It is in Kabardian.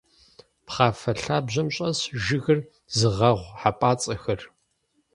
Пхъафэ лъабжьэм щӏэсщ жыгыр зыгъэгъу хьэпӏацӏэхэр.